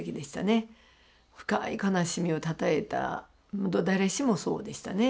深い悲しみをたたえた誰しもそうでしたね